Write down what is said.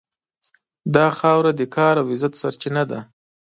دا خاوره د کار او عزت سرچینه ده.